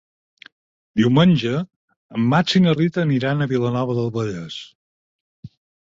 Diumenge en Max i na Rita aniran a Vilanova del Vallès.